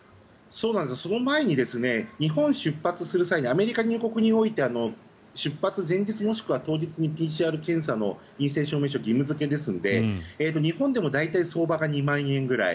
その前に日本を出発する際にアメリカに入国する際に出発前日もしくは当日にＰＣＲ検査の陰性証明書が義務付けですので、日本でも大体相場が２万円ぐらい。